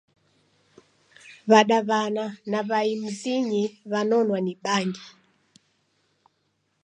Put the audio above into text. W'adaw'ana na w'ai mzinyi w'anonwa ni bangi.